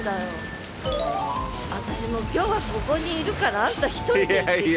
私もう今日はここにいるからあんた一人で行ってきて。